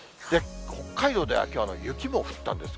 北海道ではきょう、雪も降ったんです。